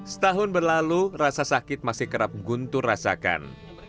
setahun berlalu rasa sakit masih kerap guntur rasakan